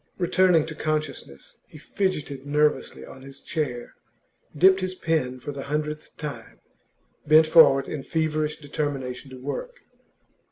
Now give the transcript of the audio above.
Returning to consciousness, he fidgeted nervously on his chair, dipped his pen for the hundredth time, bent forward in feverish determination to work.